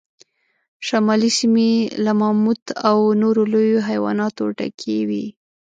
شمالي سیمې له ماموت او نورو لویو حیواناتو ډکې وې.